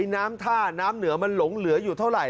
น้ำท่าน้ำเหนือมันหลงเหลืออยู่เท่าไหร่